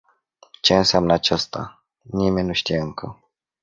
Ce înseamnă aceasta, nimeni nu știe încă.